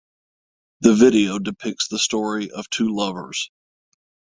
The video depicts the story of two lovers.